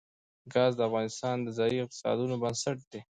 ګاز د افغانستان د ځایي اقتصادونو بنسټ دی.